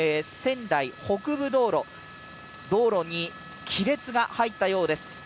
仙台北部道路、道路に亀裂が入ったようです。